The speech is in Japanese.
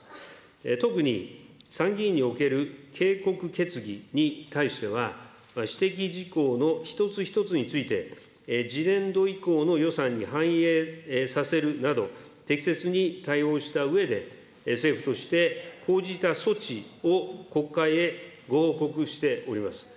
特に参議院におけるけいこく決議に対しては、指摘事項の一つ一つについて、次年度以降の予算に反映させるなど、適切に対応したうえで、政府として講じた措置を国会へご報告しております。